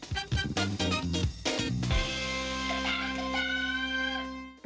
ปีเตอร์